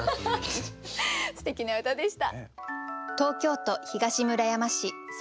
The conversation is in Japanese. すてきな歌でした。